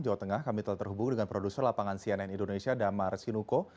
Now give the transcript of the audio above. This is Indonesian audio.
jawa tengah kami telah terhubung dengan produser lapangan cnn indonesia damar sinuko